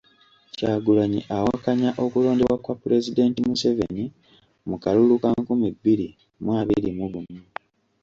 Kyagulanyi awakanya okulondebwa kwa Pulezidenti Museveni mu kalulu ka nkumi bbiri mu abiri mu gumu.